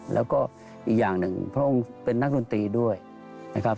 แล้วก็อีกอย่างหนึ่งพระองค์เป็นนักดนตรีด้วยนะครับ